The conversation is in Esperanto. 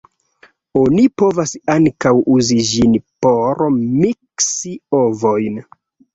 Oni povas ankaŭ uzi ĝin por miksi ovojn.